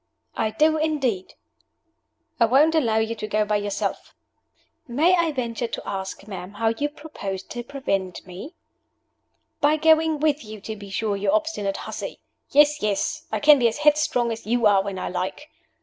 "I do, indeed." "I won't allow you to go by yourself." "May I venture to ask, ma'am how you propose to prevent me?" "By going with you, to be sure, you obstinate hussy! Yes, yes I can be as headstrong as you are when I like.